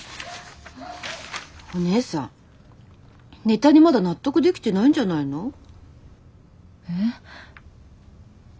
お姉さんネタにまだ納得できてないんじゃないの？え？